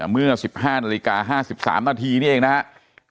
เมื่อ๑๕นาฬิกา๕๓นาทีนี่เองนะครับ